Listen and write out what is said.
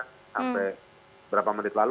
sampai berapa menit lalu